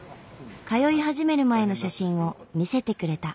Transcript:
通い始める前の写真を見せてくれた。